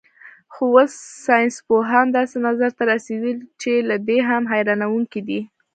خو اوس ساینسپوهان داسې نظر ته رسېدلي چې له دې هم حیرانوونکی دی.